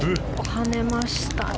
跳ねましたね